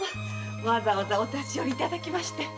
わざわざお立ち寄りいただきまして。